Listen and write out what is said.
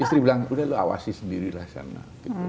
istri bilang udah lu awasi sendirilah sana